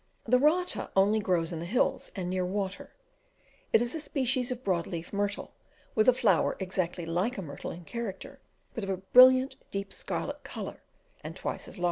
The rata only grows in the hills and near water; it is a species of broad leaf myrtle, with a flower exactly like a myrtle in character, but of a brilliant deep scarlet colour, and twice as large.